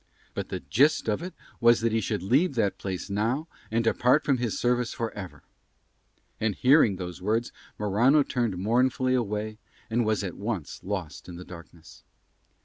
But the gist of it was that he should leave that place now and depart from his service for ever. And hearing those words Morano turned mournfully away and was at once lost in the darkness.